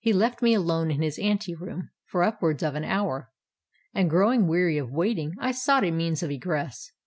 He left me alone in his ante room for upwards of an hour; and, growing weary of waiting, I sought a means of egress.